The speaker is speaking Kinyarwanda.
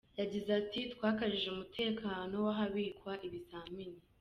Yagize ati "Twakajije umutekano w’ahabikwa ibizamini.